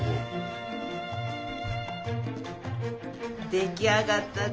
出来上がったで。